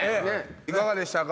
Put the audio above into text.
いかがでしたか？